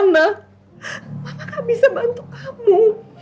mama gak bisa bantu kamu